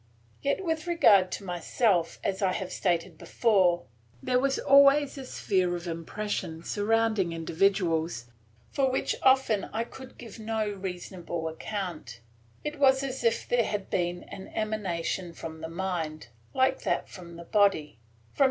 Yet with regard to myself, as I have stated before, there was always a sphere of impression surrounding individuals, for which often I could give no reasonable account. It was as if there had been an emanation from the mind, like that from the body.